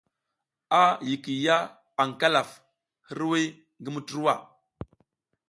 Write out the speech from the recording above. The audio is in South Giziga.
A yikiy ya aƞ Kalaf hiriwiy ngi Muturwa.